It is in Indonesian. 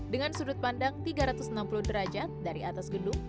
dengan sudut pandang tiga ratus enam puluh derajat dari atas gedung